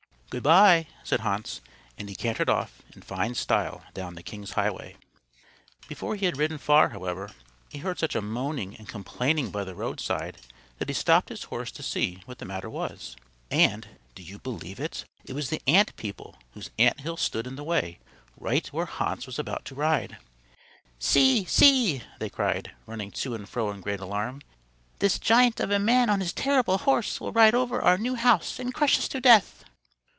"Good bye," said Hans, and he cantered off in fine style down the king's highway. Before he had ridden far, however, he heard such a moaning and complaining by the roadside that he stopped his horse to see what the matter was; and do you believe it? it was the ant people whose ant hill stood in the way, right where Hans was about to ride. "See, see!" they cried, running to and fro in great alarm. "This giant of a man on his terrible horse will ride over our new house and crush us to death."